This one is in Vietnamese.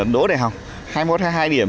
đỗ đại học hai mươi một hay hai mươi hai điểm